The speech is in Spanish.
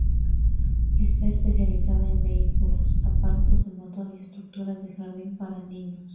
Está especializada en vehículos, aparatos de motor y estructuras de jardín para niños.